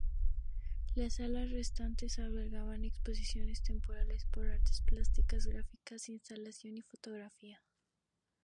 Las salas restantes albergan exposiciones temporales de artes plásticas, gráfica, instalación y fotografía.